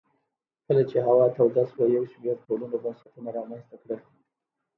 کله چې هوا توده شوه یو شمېر ټولنو بنسټونه رامنځته کړل